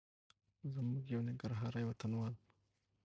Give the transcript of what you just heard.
زموږ یو ننګرهاري وطنوال